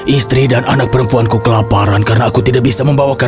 istri dan anak perempuanku kelaparan karena aku tidak bisa membawa